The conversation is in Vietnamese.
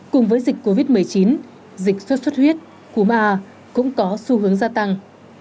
cùng với dịch covid một mươi chín dịch xuất xuất huyết cúm a cũng có xu hướng gia tăng